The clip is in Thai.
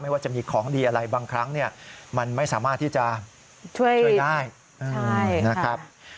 ว่าจะมีของดีอะไรบางครั้งเนี่ยมันไม่สามารถที่จะช่วยได้นะครับ